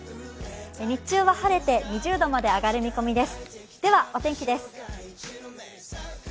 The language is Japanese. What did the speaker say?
日中は晴れて２０度まで上がる見込みです。